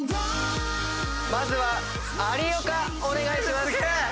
まずは有岡お願いします。